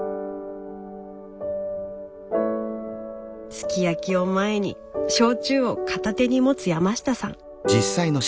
すき焼きを前に焼酎を片手に持つ山下さん。